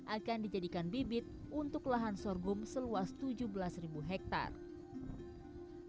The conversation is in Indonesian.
akan dijadikan bibit untuk lahan sorghum seluas tujuh belas ribu hektare